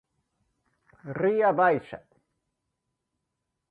Ría baixa.